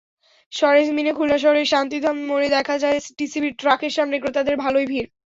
সরেজমিনে খুলনা শহরের শান্তিধাম মোড়ে দেখা যায়, টিসিবির ট্রাকের সামনে ক্রেতাদের ভালোই ভিড়।